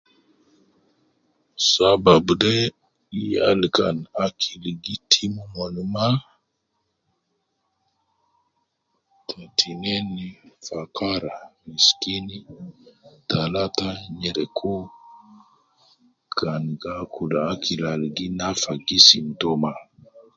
Ayi bana aju kede agara, kede nongus ukuma al rujal de gi kutu fogo umon zayidi. Era biniya abu agara uwo gi agider so kalama to binafsi. Uwo gi fekeri mafi kan ragi de bi awun uwo, awu bi awunuwo mafi.